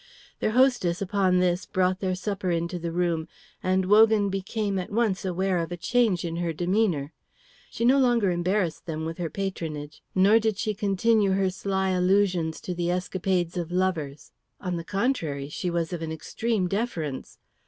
Their hostess upon this brought their supper into the room, and Wogan became at once aware of a change in her demeanour. She no longer embarrassed them with her patronage, nor did she continue her sly allusions to the escapades of lovers. On the contrary, she was of an extreme deference.